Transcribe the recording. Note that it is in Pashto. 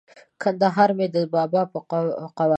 کندهار مې د بابا په قواله دی!